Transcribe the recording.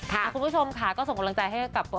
คุณผู้ชมค่ะก็ส่งกำลังใจให้กับตัว